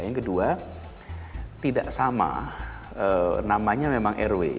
yang kedua tidak sama namanya memang rw